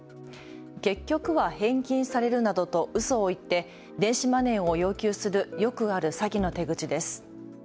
結局は返金されるなどとうそを言って電子マネーを要求するよくある詐欺の手口です。